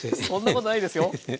そんなことないですよ。